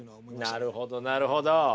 なるほどなるほど！